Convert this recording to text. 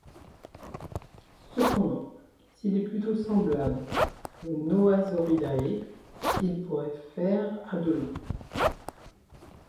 Cependant, s'il est plutôt semblable aux Noasauridae, il pourrait faire à de long.